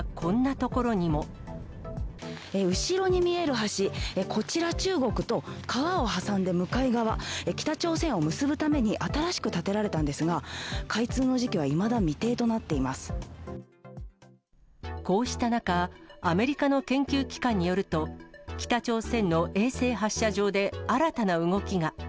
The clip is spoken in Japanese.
後ろに見える橋、こちら、中国と川を挟んで向かい側、北朝鮮を結ぶために新しく建てられたんですが、開通の時期はいまこうした中、アメリカの研究機関によると、北朝鮮の衛星発射場で新たな動きが。